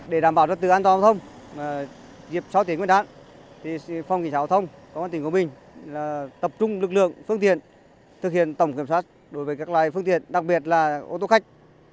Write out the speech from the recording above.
để đảm bảo cho tự an toàn hóa thông dịp sáu tiếng nguyên đạn thì phòng cảnh sát hóa thông công an tỉnh quảng bình tập trung lực lượng phương tiện thực hiện tổng kiểm soát đối với các loài phương tiện đặc biệt là ô tô khách